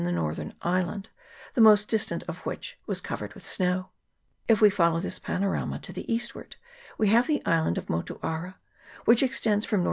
II.] QUEEN CHARLOTTE'S SOUND. 25 northern island, the most distant of which was covered with snow. If we follow this panorama to the eastward we have the island of Motuara, which extends from N.E.